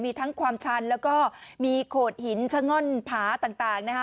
มีทั้งความชันแล้วก็มีโขดหินชะง่อนผาต่างนะคะ